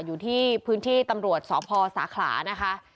อยู่ที่พื้นที่ตำรวจสพสาขลานะคะ